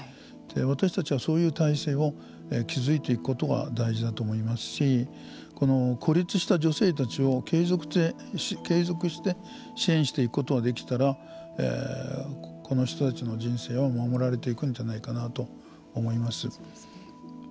私たちは、そういう体制を築いていくことが大事だと思いますしこの孤立した女性たちを継続して支援していくことができたらこの人たちの人生を守られていくんじゃないかなと思います。